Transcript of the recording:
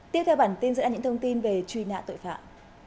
tiếp theo bản tin dẫn đến những thông tin về truy nã tội phạm